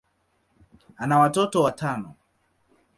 ana watoto watano.